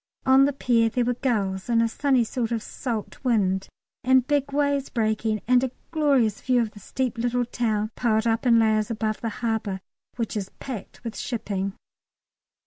On the pier there were gulls, and a sunny sort of salt wind and big waves breaking, and a glorious view of the steep little town piled up in layers above the harbour, which is packed with shipping.